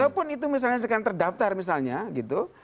walaupun itu misalnya terdaftar misalnya gitu